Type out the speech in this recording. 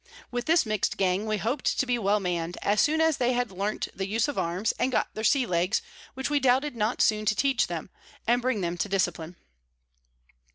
With this mix'd Gang we hop'd to be well mann'd, as soon as they had learnt the Use of Arms, and got their Sea Legs, which we doubted not soon to teach 'em, and bring them to Discipline.